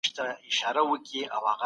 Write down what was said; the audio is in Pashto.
ګاونډیانو به د دوستۍ پیغامونه رسول.